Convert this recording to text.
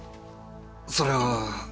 それは。